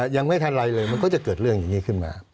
ยังไม่ทันไรเลยมันก็จะเกิดเรื่องอย่างนี้ขึ้นมา